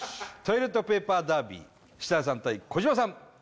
トイレットペーパーダービー設楽さん対児嶋さん